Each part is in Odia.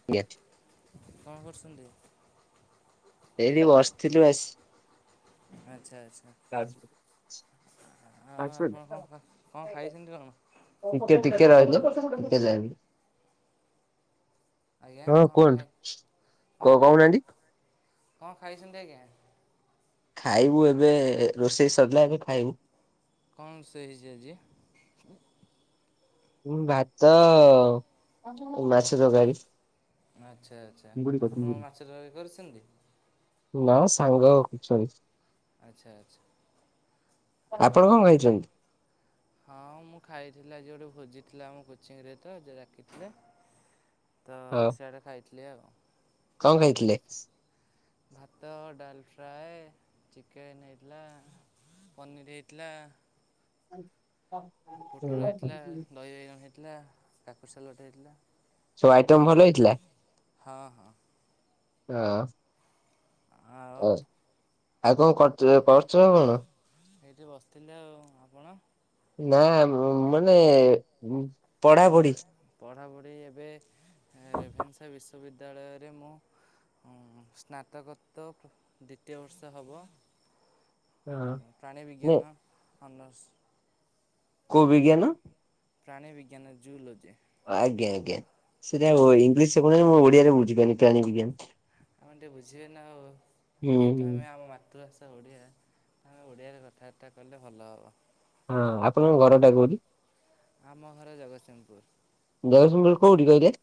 [inaudible] କଣ କରୁଛନ୍ତି? ଏଇଠି ବସିଥିଲୁ ଆସ ଆଚ୍ଛା ଆଚ୍ଛା ଆଉ ଆପଣ କଣ କଣ ଖାଇଛନ୍ତି କଣ? ଟିକେ ଟିକେ ରହିଲ ଟିକେ [unintelligible] ଆଜ୍ଞା ହଁ କଣ ଖାଇ କୁହନ୍ତୁ କଣ କ ଖାଇ କହୁନାହାନ୍ତି। କଣ ଖାଇଛନ୍ତି ଆଜ୍ଞା? ଖାଇବୁ ଏବେ ରୋଷେଇ ସରିଲା ଏବେ ଖାଇବୁ। କଣ ରୋଷେଇ ହେଇଜି ଆଜି? ଉଁ ଭାତ ମାଛ ତରକାରୀ। ଆଚ୍ଛା ଆଚ୍ଛା ଆପଣ ମାଛ ତରକାରୀ କରିସନ୍ତି। ନା ସାଙ୍ଗ ଅଛନି ଆଚ୍ଛା ଆଚ୍ଛା ଆଉ। ଖାଇଚନ୍ତି। ହଁ ମୁଁ ଖାଇଥିଲି ଆଜି ଗୋଟେ ଭୋଜି ଥିଲା ଆମ କୋଚିଂରେ ତ ଯ ଡାକିଥିଲେ। ତ ହଁ ସେଆଡଡେ ଖାଇଥିଲି ଆଉ କଣ ଏବେ ଖାଇଥିଲେ? ରେଷ୍ ଭାତ, ଡାଲ ଫ୍ରାଏ। ଚିକେନ୍ ହେଇଥିଲା ପନିରି ହେଇଥିଲା। ଆଜ୍ଞା ପୋଟଳ ହେଇଥିଲା ଦହି ବାଇଗଣ ହେଇଥିଲା କାକୁର୍ ସାଲଟ ହେଇଥିଲା। ସବୁ ଆଇଟମ ଭଲ ଏମତି ହେଇଥିଲା ହଁ ହଁ। [inaudible] ଆଉ। ଆଉ କଣ କରୁଚ କରୁଛ କଣ? ହେଇଠି ବସିଥିଲି ଆଉ ଆପଣ? ନା ମ ମାନେ ହ ପଢାପଢି ଭାଇ ପଢ଼ାପଢ଼ି ଏବେ ରେଭେନ୍ସା ବିଶ୍ୱବିଦ୍ୟାଳୟରେ ମୁଁ ସ୍ନାତକୋତ୍ ଦ୍ୱିତୀୟ ବର୍ଷ ହବ। ପ୍ରାଣୀ ବିଜ୍ଞାନର ଅନର୍ସ। କଉ ବିିଜ୍ଞାନ? ପ୍ରାଣୀ ବିଜ୍ଞାନ ଜୁଲୋଜି। ଆଜ୍ଞା ଆଜ୍ଞା ସେଇଟା ଉ ଆଜ୍ଞା ଇଂଲିଶ କହୁଛନ୍ତି ମୁଁ ଓଡିଆରେ ବୁଝିପାରିନି ପ୍ରାଣୀ ବିଜ୍ଞାନ। ତମେ ଟିକେ ବୁଝିବେ ନା ହେଉ ହୁଁ ହୁଁ ଯେହେତୁ ଆମେ ଆମ ମାତୃଭାଷା ଓଡ଼ିଆ। ଆମେ ଓଡ଼ିଆରେ କଥାବାର୍ତ୍ତା କଲେ ଭଲ ହେବ। ହଁ ଆପଣଙ୍କ ଘରଟା କଉଠି? ଆମ ଘର ଜଗତସିଂହପୁର। ଜଗତସିଂହପୁର କୋଉଠି କହିଲେ?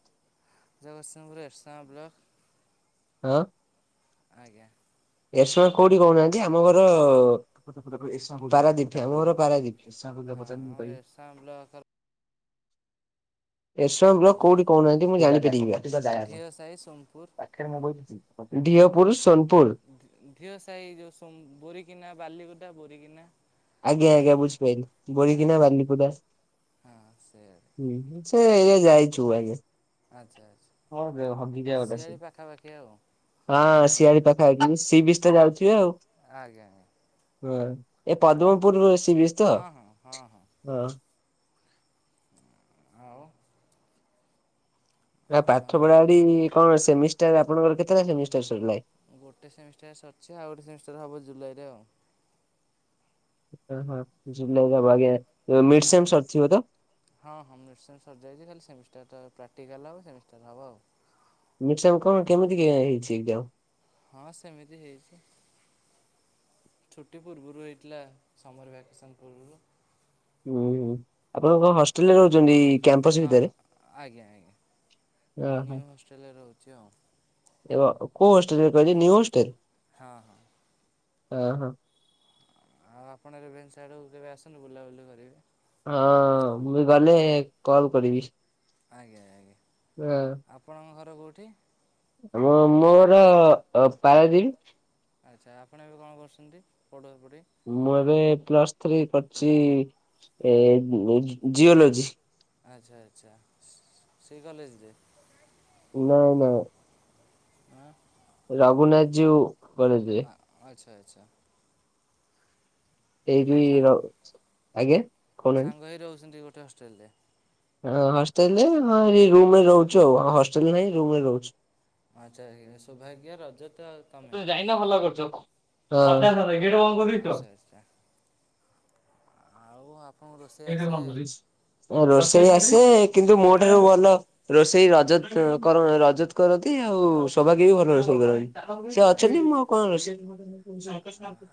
ଜଗତସିଂପୁର ଏର୍ସାଙ୍ଗେ ବ୍ଲ ହଁ। ଆଜ୍ଞା। ଏରସାଂଙ୍ଗ କୋଉଠି କହୁନାହାନ୍ତି ଆମ ଘର ପାରାଦୀପ ଆମ ଘର ପାରାଦୀପ। ହଁ [inaudible] [inaudible] ଏରସାଂ ବ୍ଲକ ଉପରେ କହୁଠି କହୁନାହାନ୍ତି ମୁଁ ଜାଣିପାରିବି ଢିଅ ସାହି ସୋନପୁର ବା। ଦିଅପୁର ସୋନପୁର। ଢିଅ ସାହି ଯୋଉ ସୋନ୍ ବୋରିକିନା ବାଲିକୁଟା ବୋରିକିନା। ଆଜ୍ଞା ଆଜ୍ଞା ବୁଝିପାରିଲି ବରିକିନା ଆଜ୍ଞା ବାଲିିପଦାଶ୍। ହଁ ସେଆଡ଼େ ସେ ଏରିଆ ଯାଇଛୁ ଭାଇ। ଆଚ୍ଛା ଆଚ୍ଛା ହଁ ହଗିଯା ଗୋଟେ ସେ ସିଆଡ଼େ ପାଖାପାଖି ଆଉ ଆମ ହଁ ଶିଆଳି ପାଖା ପାଖି। ମାନେ ସି ବିଚ ଟା ଯାଉଛିି ଆଉ। ଆଜ୍ଞା। ହୁଁ। ପଦମପୂର୍ ର ସି ବିଚ୍। ହଁ ହଁ ହଁ ହଁ। ହଁ। ଆଉ। ଆ ଆଉ ପାଠ ପଡା ପଡି କଣ ସେମିଷ୍ଟାର ଆ ପଣଙ୍କ ର କେତେଟା ସେମିଷ୍ଟାର ସାରିଲାଣି। ଗୋଟେ ସେମିଷ୍ଟାର ସରିଛି ଆଉ ଗୋଟେ ସେମିଷ୍ଟାର ହେବ ଜୁଲାଇରେ ଆଉ। ହଁ ଆଜ୍ଞା [unintelligible] ହଁ ହଁ ମିର୍ଶନ ସରିଯାଇଛି ଖାଲି ସେମିଷ୍ଟାରଟା ପ୍ରାକ୍ଟିକାଲ ହବ ସେମିଷ୍ଟାର ହବ ଆଉ। ମିର୍ସା କଣ କେମିତିକା ହେଇଛି ଏକ୍ଜାମ୍? ହଁ ସେମିତି ହେଇଛି। ଛୁଟି ପୂର୍ବରୁ ହେଇଥିଲା ସମର୍ ଭ୍ୟାକେସନ୍ ପୂର୍ବରୁ। ହୁଁ ଆପଣ କଣ ହଷ୍ଟେଲରେ ରହୁଛନ୍ତି କ୍ୟାମ୍ପସ ହଁ ହଁ ଭିତରେ। ଆଜ୍ଞା ଆଜ୍ଞା ନ୍ୟୁ ହଷ୍ଟେଲରେ ରହୁଛି ଆଉ। ଏ କଉ ହୋଷ୍ଟେଲରେ କହିଲେ ନିୟୁ ହଷ୍ଟେଲ। ହଁ ହଁ। ହଁ ହଁ। ଆଉ ଆପଣ ରେଭେନ୍ସା ଆଡକୁ କେବେ ଆସନ୍ତୁ ବୁଲାବୁଲି କରିବେ। ହଁ ମୁଁ ବି ଗଲେ କଲ କରିବି। ଆଜ୍ଞା ଆଜ୍ଞା ହଁ ଆପଣଙ୍କ ଘର କୋଉଠି? ମୋ ମୋର ଅ ପାରାଦ୍ଵୀପ। ଆଚ୍ଛା ଆପଣ ଏବେ କଣ କରୁଛନ୍ତି ପଢା ପଢି? ମୁଁ ଏବେ ପ୍ଲସ୍ ଥ୍ରୀ କରିଛି ଏ ଜିଓଲୋଜି। ଆଚ୍ଛା ଆଚ୍ଛା ସେଇ କଲେଜରେ। ନା ନା। ଆଁ। ରଘୁନାଥ ଯୀଉ କଲେଜର। ଆଚ୍ଛା ଆଚ୍ଛା। ଏଇଠି ଆପଣ ସା ର ଆଜ୍ଞା କହୁନାହାନ୍ତି ସାଙ୍ଗ ହୋଇ ରହୁଛନ୍ତି ଗୋଟେ ହଷ୍ଟେଲରେ। ହ ହଷ୍ଟେଲରେ ହଁ ଏଇ ରୁମ ରେ ରହୁଛୁ ଆଉ ହଷ୍ଟେଲ ନାହିଁ ରୁମରେ ରହୁଛି। ଆଚ୍ଛା ସୌଭାଗ୍ୟ ରଜତ ଆଉ ତମେ ତ ଯାଇନ ଭଲ କରୁଛ ସଧ୍ୟା ଆଚଛା ଆଚ୍ଛା ଆଉ ଆ ରୋଷେଇ ଆସେ କିନ୍ତୁ ମୋ ଠାରୁ ହଁ ଭଲ ରୋଷେଇ ରଜତ କର ରଜତ କରନ୍ତି ଆଉ ସୋଭାଗ୍ୟ ବି ଭଲ ରୋଷେଇ କରନ୍ତି। ଆଉ ସେ ଆଚ୍ଛା ଅଛନ୍ତି ମୁଁ ଆଚ୍ଛା ଆଉ କଣ ରୋଷଇ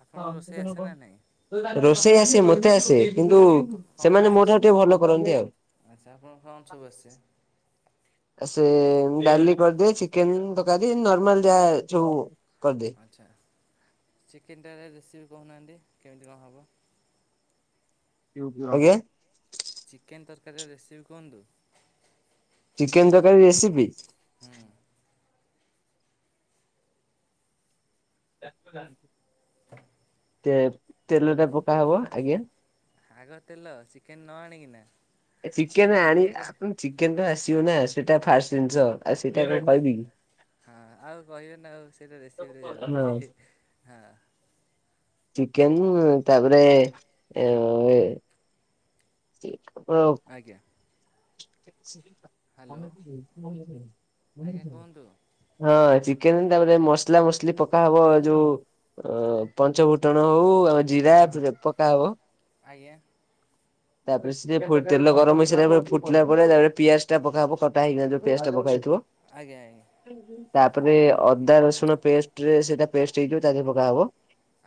ଆପଣଙ୍କୁ ରୋଷେଇ ଆସେ ନା ନାହିଁ ରୋଷେଇ ଆସେ ମତେ ଆସେ କିନ୍ତୁ କଣ ସେମାନେ ମୋ ଆସେ ଠାରୁ ସବୁ ଟିକେ ଭଲ କରନ୍ତି ଆଉ। ଆଚ୍ଛା ଆପଣଙ୍କ କଣ ସବୁ ଆସେ? ଆ ସେ ଡାଲି କରିଦିଏ ଚିକେନ ତରକାରୀ ନର୍ମାଲ ଯାହା ସବୁ କରିଦିଏ। ଆଚ୍ଛା ଚିକେନ ଟା ରେ ରେସିପି କହୁନାହାନ୍ତି କେମିତି କଣ ହବ? [unintelligible] ଚିକେନ ତରକାରୀର ରେସିପି କୁହନ୍ତୁ? ଚିକେନ ତରକାରୀ ରେସିପି। ହୁଁ। ତେ ତେଲଟା ପକା ହବ ଆଜ୍ଞା। ଆଗ ତେଲ ଚିକେନ୍ ନ ଆଣିକିନା? ଏ ଆପଣ ଚିକେନ୍ ଟିକେ ଆଣି ମୂଳରୁ ଆ କହି ଚିକେନ୍ ତ ଆସିବନା ସେଟା ଫାଷ୍ଟ ଜିନିଷ। ଆଉ ସେଇଟା ହଁ-ହଁ କଣ କହିବି କି? ଆଉ କହିବେ ନା ଆଉ, ସେଇଟା ରେସିପିରେ ଯାଉଚି ହଁ ଇହି। ହଁ। ଚିକେନ୍ ତା ତାପରେ ଏ-ଏ। [unintelligible] ଆଜ୍ଞା। ହ୍ୟାଲୋ ଆଜ୍ଞା କୁହନ୍ତୁ ହଁ ଚିକେନ୍ ତାପରେ ମସଲା ମସଲି ପକା ହବ ଯୋଉ ଅ ପଞ୍ଚ ଫୁଟଣ ହଉ ଆ ଜିରା ହଁ ପକାହବ ଆଜ୍ଞା ତାପରେ ସେ ଫୁ ତେଲ ଗରମ୍ ହେଇ [unintelligible] ଫୁଟିଲା ପରେ ତାପରେ ପିଆଜ ଟା ପକାହବ କଟା ହେଇକିନା ଯୋଉ ପିଆଜ ଟା ପକା ହେଇଥିବ। ଆଜ୍ଞା-ଆଜ୍ଞା। ତାପରେ ଅଦା ରସୁଣ ପେଷ୍ଟରେ ସେଟା ପେଷ୍ଟ ହେଇଯିବ ତାଦେରେ ପକାହବ।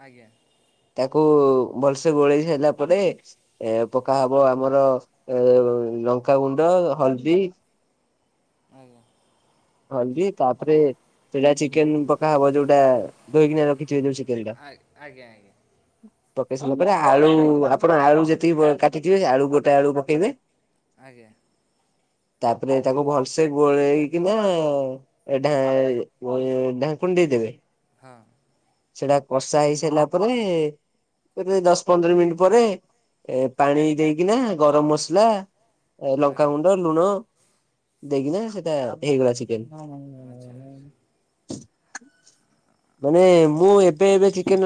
ଆଜ୍ଞା। ତାକୁ ଭଲସେ ଗୋଳେଇ ସାରିଲା ପରେ ଏ ପକା ହବ ଆମର ଏ ଲଙ୍କାଗୁଣ୍ଡ, ହଳଦୀ ଆଜ୍ଞା। ହଳଦୀ ତାପରେ ସେଇଟା ଚିକେନ୍ ପକା ହବ ଯୋଉଟା ଧୋଇକିନା ରଖିଥିବେ ଯୋଉ ଚି ଆ ଆଜ୍ଞା-ଆଜ୍ଞା। ହଁ ପକେଇ ସାରିଲା ପରେ ଆଳୁ ଆପଣ ଆଳୁ ଯେତିକି କାଟିଥିବେ ଆଳୁ ଗୋଟେ ଆଳୁ ପକେଇବେ। ଆଜ୍ଞା। ତାପରେ ତାକୁ ଭଲସେ ଗୋଳେଇକିନା [unintelligible] ଏଢା ଢାଙ୍କୁଣି ଦେଇଦେବେ। ହଁ। ସେଇଟା କଷା ହେଇ ସାରିଲା ପରେ ଏବେ ଏଇ ଦଶ ପନ୍ଦର ମିନିଟ୍ ପରେ ଏ ପାଣି ଦେଇକିନା ଗରମ୍ ମସଲା ଏ ଆଜ୍ଞା ଲଙ୍କାଗୁଣ୍ଡ ଲୁଣ ଦେଇକିନା ସେଟା ହେଇଗଲା ଚିକେନ୍। [inaudible] ମାନେ ଆଉ ମୁଁ ଏବେ-ଏବେ ଚିକେନ୍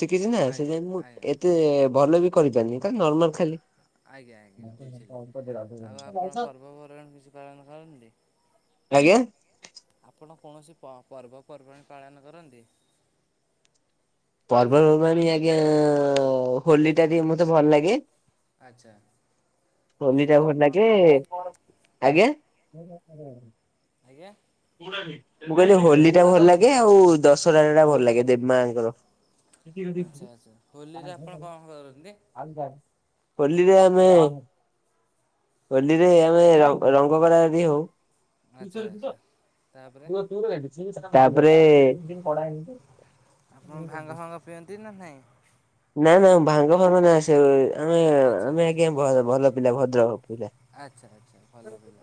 ଶିଖିଛି ନା ସେ ଆଜ୍ଞା [unintelligible] ମୁଁ ଆଜ୍ଞା ଏତେ ଭଲ ବି କରିପାରିନି ଖାଲି ନର୍ମାଲ୍ ଖାଲି ଆଜ୍ଞା-ଆଜ୍ଞା ବୁଝିଲି, ଆଉ ଆପଣ ପର୍ବପର୍ବାଣୀ କିଛି ପାଳନ କରନ୍ତି? ଆଜ୍ଞା? ଆପଣ କୌଣସି ପ ପର୍ବପର୍ବପର୍ବାଣି ପାଳନ କରନ୍ତି? ପର୍ବପର୍ବାଣି ଆଜ୍ଞା ହୋଲି ଟା ଟିକେ ମତେ ଭଲ ଲାଗେ। ଆଚ୍ଛା ହୋଲିରେ ହୋଲିଟା ସବୁ କଣ ଭଲଲାଗେ। କରନ୍ତି? ଆଜ୍ଞା? ଆଜ୍ଞା? ମୁଁ କହିଲି ହୋଲି ଟା ଭଲ ଲାଗେ, ଆଉ ଦଶହରା ଟା ଭଲ ଲାଗେ ଦେବୀ ମାଙ୍କର। ଆଚ୍ଛା-ଆଚ୍ଛା ହୋଲିରେ ଆପଣ କଣ କରନ୍ତି? ହୋଲିରେ ଆମେ ହୋଲିରେ ଆମେ ରଙ୍ଗ କରା କରି ହଉ। ଆଚ୍ଛା-ଆଚ୍ଛା। ତାପରେ ଆପଣ ଭାଙ୍ଗ ଫାଙ୍ଗ ପିଅନ୍ତି ନା ନାହିଁ? ନା-ନା ଭାଙ୍ଗ ଫାଙ୍ଗ ନାଇଁ ସେ ଆଚ୍ଛା ଆମେ-ଆମେ ଆଚ୍ଛା [unintelligible] ଭଲ-ଭଲ ପିଲା ଭଦ୍ର ପିଲା। ଆଚ୍ଛା ଆଚ୍ଛା ଭଲ ପିଲା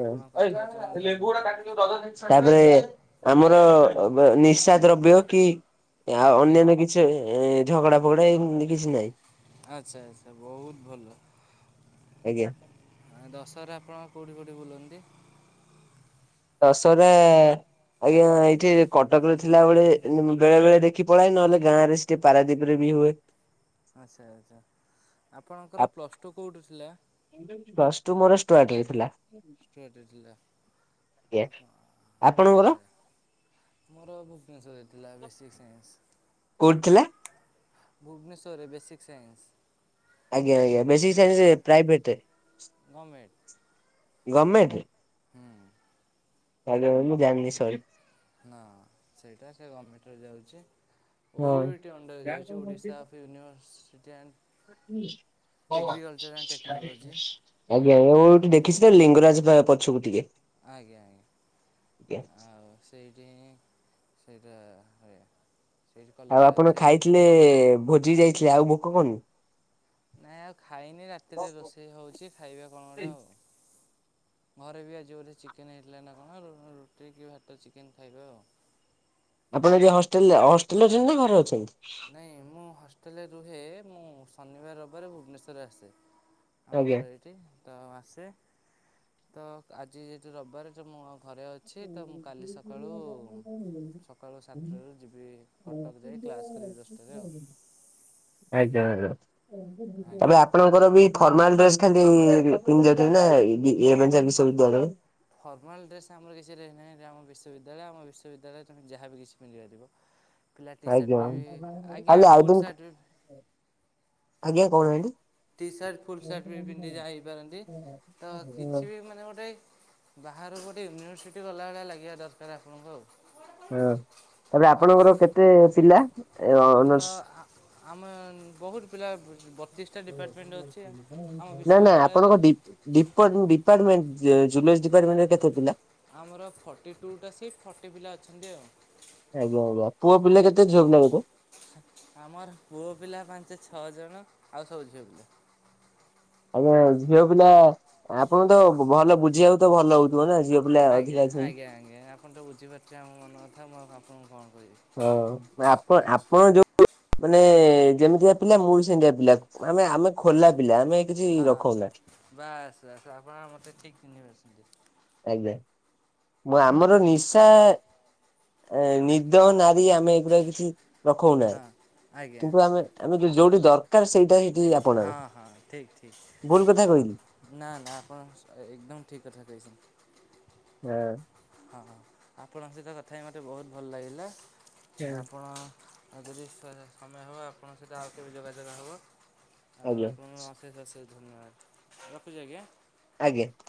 ଆପଣଙ୍କ କଥାବାର୍ତ୍ତା ମୋତେ ଲାଗୁଛି। ତାପରେ ଆଉ ଆମର ବା ନିଶା ଦ୍ରବ୍ୟ କି ଏହା ଆଜ୍ଞା ଅନ୍ୟାନ୍ୟ କିଛି ଝଗଡା ଫଗଡା ଏମତି କିଛି ନାହିଁ। ଆଚ୍ଛା ଆଚ୍ଛା ବହୁତ ଭଲ। ଆଜ୍ଞା। ଦଶରାରେ ଆପଣ କେଉଁଠି କେଉଁଠି ବୁଲନ୍ତି? ଦଶରା ଆଜ୍ଞା ଏଇଠି କଟକ ରେ ଥିଲାବେଳେ ବେଳେ ବେଳେ ଦେଖି ପଳାଏ, ନହେଲେ ଗାଁରେ ସେଠି ପାରାଦ୍ୱୀପରେ ବି ହୁଏ। ଆଚ୍ଛା ଆଚ୍ଛା, ଆପଣଙ୍କର ପ୍ଲସ୍ ଟୁ କେଉଁଠୁ ଥିଲା? ପ୍ଲସ ଟୁ ମୋର ଷ୍ଟୁାଆର୍ଟ ରେ ଥିଲା। ଷ୍ଟୁଆର୍ଟ ରେ ଥିଲା, ଆଜ୍ଞା ଅପ ଆପଣଙ୍କର ଆଚ୍ଛା। ମୋର ଭୁବନେଶ୍ୱରରେ ଥିଲା ବେସିକ୍ ସାଇନ୍ସ। କୋଉଠି ଥିଲା? ଭୁବନେଶ୍ୱରରେ ବେସିକ ସାଇନ୍ସ। ଆଜ୍ଞା ଆଜ୍ଞା ବେସିକ୍ ସାଇନ୍ସରେ ପ୍ରାଇଭେଟ୍ ରେ। ଗମେନଟ୍। ଗଭର୍ଣ୍ମେଣ୍ଟରେ? ହୁଁ। ଆଜ୍ଞା, ମୁଁ ଜାଣିନି ସରୀ। ନା ସେଇଟା ସେ ଗମେଣ୍ଟରେ ଯାଉଛି। ହଁ ଓୟୁଏଟି ଅଣ୍ଡର ରେ ଓଡ଼ିଶା ଅଫ୍ ୟୁନିଭର୍ର୍ସିଟି ଆନଡ୍ [unintelligible] ଆଜ୍ଞା ଟେକ୍ନୋଲୋଜି ଓୟୁଏଟି ଦେଖିଛି ଲିଙ୍ଗରାଜ ପା ପଛକୁ ଟିକେ। ଆଜ୍ଞା ଆଜ୍ଞା। ଆଜ୍ଞା ଆଉ ସେଇଠ ସେଇଟା ହୁଏ। ସେଇଠି ଆଉ କଲେଜଟା ଆପଣ ଅଛି ଖାଇଥିଲେ ଭୋଜି ଯାଇଥିଲେ ଆଉ ଭୋକ କରୁନି? ନାଇଁ ଆଉ ଖାଇନି ରାତିରେ ରୋଷେଇ ହଉଛି ଖାଇବା କଣ ଗୋଟ ଆଉ। ଘରେ ବି ଆଜି ବୋଧେ ଚିକେନ୍ ହେଇଥିଲା ନା କଣ? ରୁ ରୁଟି କି ଭାତ ଚିକେନ୍ ଖାଇବେ ଆଉ। ଆପଣ ଏଠି ହଷ୍ଟେଲ ହଷ୍ଟେଲରେ ଅଛନ୍ତି ନା ଘରେ ଅଛନ୍ତି? ନାଇଁ ମୁଁ ହଷ୍ଟେଲରେ ରୁହେ ମୁଁ ଶନିବାର, ରବିବାରେ ଭୁବନେଶ୍ୱର ଆସେ। ଆମ ଆଜ୍ଞା ଘରେ ତ ଆସେ ତ ଆଜି ଯେହେତୁ ରବିବାର ଅଛି ମୁଁ ଘରେ ଅ ଅଛି। ତ ମୁଁ କାଲି ସକାଳୁ ସକାଳୁ ସାତଟାରୁ ଯିବି କଟକ ଯାଇ କ୍ଲାସ୍ କରିବି ଦଶଟାରେ ଆଉ ଆଜ୍ଞା ଆଜ୍ଞା ଏବେ ଆଜ୍ଞା। ଆପଣଙ୍କ ଆପଣ ବି ଫର୍ମାଲ ଡ୍ରେସ ଖାଲି ପିନ୍ଧି ଯାଉଥିଲେ ନା। [unintelligible] ଫର୍ମାଲ୍ ଡ୍ରେସ ଆମର କିଛି ରହି ନାହିଁ ଆମ ବିଶ୍ୱବଦ୍ୟାଳୟ ଆମ ବିଶ୍ୱବିଦ୍ୟାଳୟ ତମେ ଯାହା ବି କିଛି ପିନ୍ଧିପରିବ। ଆଜ୍ଞା। ଆଜ୍ଞା ଫୁଲ୍ ସାର୍ଟ ବି [unintelligible] ଆଜ୍ଞା କହୁନାହାନ୍ତି? ଟି ସାର୍ଟ, ଫୁଲ ସାର୍ଟ ବି ପିନ୍ଧି ଯାଇପାରନ୍ତି ତ କିଛି ବି ମାନେ ଗୋଟେ ବାହାରକୁ ଗୋଟେ ୟୁନିଭର୍ସିଟି ଗଲା ଭଳିଆ ଲାଗିବା ଦରକାର ଆପଣଙ୍କୁ ଆଉ। ହଁ। ଏବେ ହଁ ଆପଣଙ୍କର କେତେ ପିଲା ଏ ଅ ଆମର ଅନର୍ସ? ଆମେ ବହୁତ ପିଲା ବତିଶଟା। ଡିପାର୍ଟମେଣ୍ଟ ଅଛି ଆମ ନା ନା ବିଶ୍ୱବିଦ୍ୟାଳୟରେ ଆପଣଙ୍କ ଡି ଡିପ ଡିପାର୍ମେଣ୍ଟୁଲ ଡିପାର୍ଟମେଣ୍ଟ କେତେ ପିଲା? ଆମର ଫର୍ଟି ଟୁଟା ସିଟ୍ ଫର୍ଟି ପିଲା ଅଛନ୍ତି ଆଉ। ଆଜ୍ଞା ଆଜ୍ଞା ପୁଅ ପିଲା କେତେ ଝିଅ ପିଲା କେତେ? ଆମର ପୁଅ ପିଲା ପାଞ୍ଚ ଛଅ ଜଣ ଆଉ ସବୁ ଝିଅ ପିଲା। ଆଜ୍ଞା ଝିଅ ପିଲା ଆପଣ ତ ବ ଭଲ ବୁଝିବାକୁ ତ ଭଲ ହଉଥିବ ନା ଝିଅ ପିଲା ଅଧିକା ଆଜ୍ଞା ଅଛନ୍ତି। ଆଜ୍ଞା ଆଜ୍ଞା ଆପଣ ତ ବୁଝିପାରୁଥିବେ ଆମ ମନ କଥା ମୁଁ ଆପଣଙ୍କୁ କଣ କହିବି? ଯାହା ହଉ ଆପଣ ହଁ ଆପଣ ଯୋଉ ମାନେ ଯେମିତିକା ପିଲା ମୁଁବି ସେମିତିଆ ପିଲା ଆମେ ଆମେ ଖୋଲା ପିଲା ଆମେ କିଛି ହଁ ରଖଉନା। ବାସ୍ ବାସ୍ ଆପଣମାନେ ମୋତେ ଠିକ୍ ଚିହ୍ନି ପାରୁଛନ୍ତି ଆଜ୍ଞା ମୁ ଆମର ନିଶା ଆଜ୍ଞା ଏ ନିଦହ ନାରୀ ଆମେ ଏଗୁରା କିଛି ରଖଉ ନାହିଁ ହଁ ଆଜ୍ଞା କିନ୍ତୁ ଆମେ ଆମେଯି ଯୋଉଠି ଦରକାର ସେଇଟା ସେଇଠି ହଁ ଆପଣାଉ ହଁ ଠିକ ଠିକ ଭୁଲ କଥା ଆ କହିଲି। ନା ନା ଆପଣ ଏକଦମ ଠିକ କଥା ଦେଇଛନ୍ତି ହଁ ହଁ ହଁ ଆପଣଙ୍କ ସହିତ କଥା ହେଇ ମୋତେ ବହୁତ ଭଲ ଲାଗିଲା ହଁ ଆପଣ ଆଉ ଯଦି ସମ ସମୟ ହେବ ଆପଣଙ୍କ ସହିତା ଆଉ କେବେ ଯୋଗାଯାଯୋଗ ହେବ ଆଉ ଆଜ୍ଞା ଆପଣ ସେଷ ଅ ସେଷ ଧନ୍ୟବାଦ ରଖୁଛି ଆଜ୍ଞା ଆଜ୍ଞା